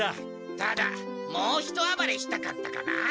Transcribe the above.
ただもうひとあばれしたかったかな。